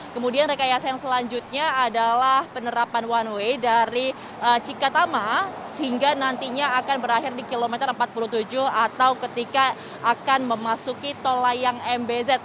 kemudian rekayasa yang selanjutnya adalah penerapan one way dari cikatama sehingga nantinya akan berakhir di kilometer empat puluh tujuh atau ketika akan memasuki tol layang mbz